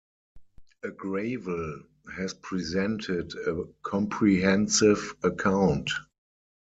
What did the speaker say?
Aggrawal has presented a comprehensive account.